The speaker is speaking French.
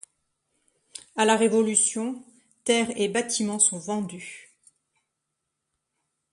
À la Révolution, terres et bâtiments sont vendus.